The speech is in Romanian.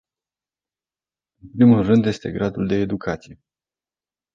În primul rând este gradul de educație.